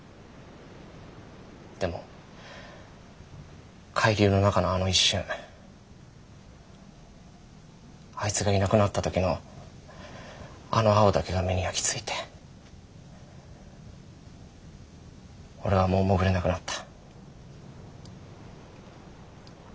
でも海流の中のあの一瞬あいつがいなくなった時のあの青だけが目に焼き付いて俺はもう潜れなくなった。